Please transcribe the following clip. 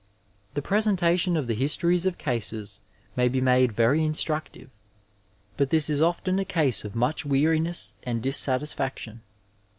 The presentation of the histories of cases may be made very instructive, but this is often a cause of much weariness and dissatisfaction.